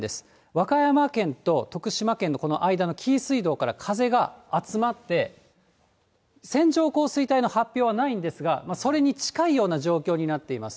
和歌山県と徳島県のこの間の紀伊水道から風が集まって、線状降水帯の発表はないんですが、それに近いような状況になっています。